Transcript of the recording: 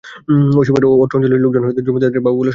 ঐ সময়ে অত্র অঞ্চলের লোকজন জমিদারদের বাবু বলে সম্বোধন করত।